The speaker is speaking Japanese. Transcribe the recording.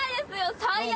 最悪。